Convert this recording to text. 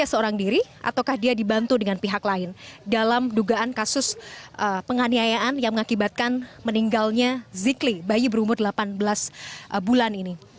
apakah seorang diri ataukah dia dibantu dengan pihak lain dalam dugaan kasus penganiayaan yang mengakibatkan meninggalnya zikli bayi berumur delapan belas bulan ini